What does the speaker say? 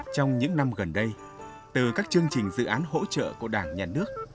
trong những năm gần đây từ các chương trình dự án hỗ trợ của đảng nhà nước